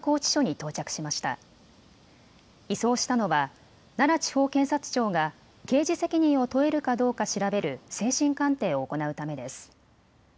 移送したのは奈良地方検察庁が刑事責任を問えるかどうか調べる精神鑑定を行うためです。